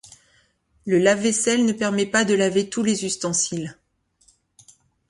Le lave-vaisselle ne permet pas de laver tous les ustensiles.